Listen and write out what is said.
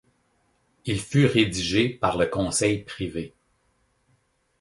Il fut rédigé par le Conseil privé.